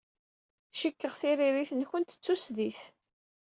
Cikkeɣ tiririt-nwent d tusdidt.